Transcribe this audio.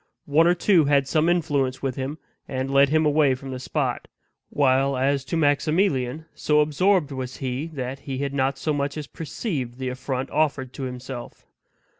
One or two had some influence with him, and led him away from the spot; while as to Maximilian, so absorbed was he that he had not so much as perceived the affront offered to himself.